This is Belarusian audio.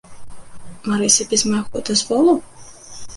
Марыся без майго дазволу?